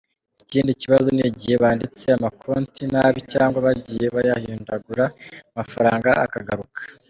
Ikindi kibazo ni igihe banditse amakonti nabi cyangwa bagiye bayahindagura, amafaranga akagaruka.